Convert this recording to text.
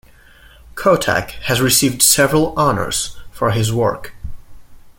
Kottak has received several honors for his work.